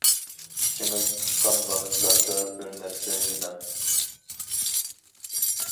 ئىچىڭىز پۇشقان ۋاقىتلاردا بىر نەرسە يېمەڭ.